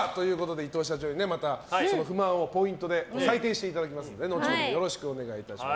伊藤社長に不満をポイントで採点していただきますので後ほど、よろしくお願いします。